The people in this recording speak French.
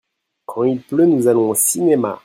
Quand il pleut nous allons au cinéma.